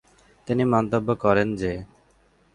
তিনি মন্তব্য করেন যে